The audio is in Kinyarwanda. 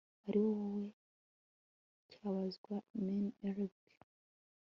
ariwowe cyabazwa mn erick